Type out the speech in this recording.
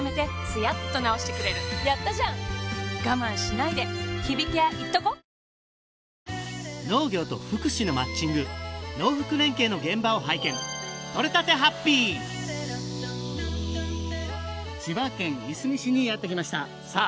なんか朝に、農業と福祉のマッチング農福連携の現場を拝見千葉県いすみ市にやってきましたさあ